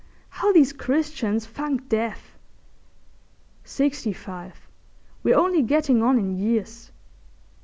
How these Christians funk death! Sixty five—we're only getting on in years.